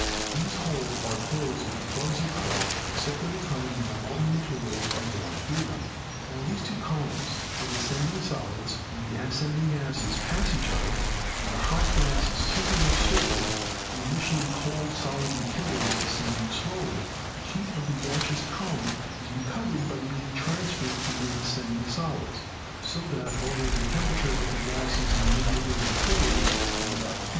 These holes are closed with plugs of clay, except at the time when the molten materials are drawn through them. While these two columns, the descending solids and the ascending gases, pass each other, and the hot gas is sweep ing up swiftly, the initially cold, solid materials descend ing slowly, the heat of the gaseous column is recovered by being transferred to the descending solids, so that altho the temperature of the gases in the neighborhood of the tuyeres is above 2,912° F.